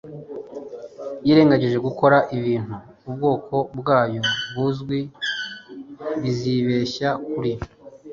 yirengagije gukora ibintu ubwoko bwayo buzwi, bizibeshya kuri